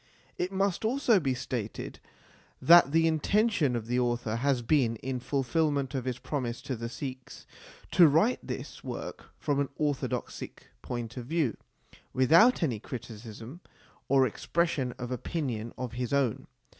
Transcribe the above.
It must also be stated that the intention of the author has been, in fulfilment of his promise to the Sikhs, to write this work from an orthodox Sikh point of view, without any criticism or expres sion of opinion of his own.